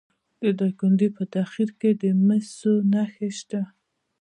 د دایکنډي په خدیر کې د مسو نښې شته.